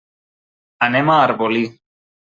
Anem a Arbolí.